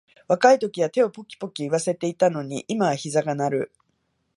若いときは手をポキポキいわせていたのに、今はひざが鳴る